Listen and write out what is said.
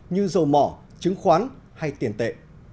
như dầu mỏ chứng khoán hay tiền tệ